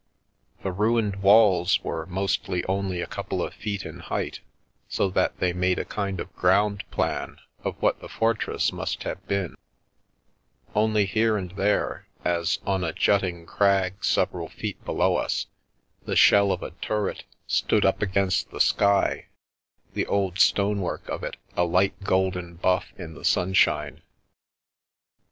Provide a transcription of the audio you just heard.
The ruined walls were mostly only a couple of feet in height, so that they made a kind of ground plan of what the fortress must have been; only here and there, as on a jutting crag several Mostly on Food and Money feet below us, the shell of a turret stood up against the sky, the old stonework of it a light golden buff in the sunshine.